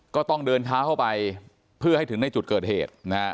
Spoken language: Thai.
ก็ต้องเดินเท้าเข้าไปเพื่อให้ถึงในจุดเกิดเหตุนะฮะ